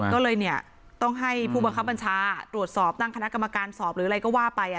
ก็เลยเนี่ยต้องให้ผู้บังคับบัญชาตรวจสอบตั้งคณะกรรมการสอบหรืออะไรก็ว่าไป